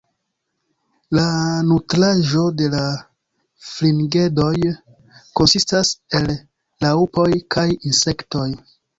La nutraĵo de la fringedoj konsistas el raŭpoj kaj insektoj.